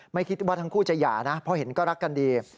ไม่คิดว่าทั้งคู่จะหย่านะเพราะเห็นก็รักกันดี